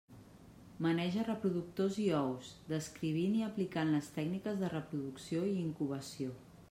Maneja reproductors i ous, descrivint i aplicant les tècniques de reproducció i incubació.